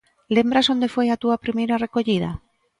Lembras onde foi a túa primeira recollida?